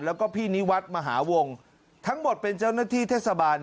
แล้วก็พี่นิวัฒน์มหาวงทั้งหมดเป็นเจ้าหน้าที่เทศบาล